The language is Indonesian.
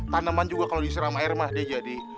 taneman juga kalo disiram air mah dia jadi